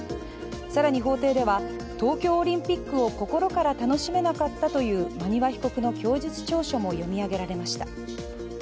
更に法廷では、東京オリンピックを心から楽しめなかったという馬庭被告の供述調書も読み上げられました。